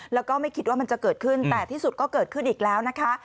แล้วก็ไม่คิดว่ามันจะเกิดขึ้นแต่ที่สุดก็เกิดขึ้นอีกแล้วนะคะ